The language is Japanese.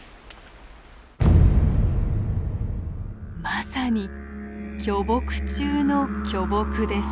まさに巨木中の巨木です。